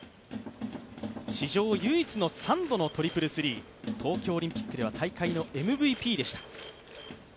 史上唯一の３度のトリプル・スリー、東京オリンピックでは大会のＭＶＰでした。